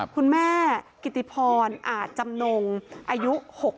คุณแม่กิติพรอาจจำนงอายุ๖๒